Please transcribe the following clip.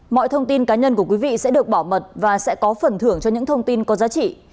mọi thông tin cá nhân của quý vị sẽ được bảo mật và sẽ có phần thưởng cho những thông tin có giá trị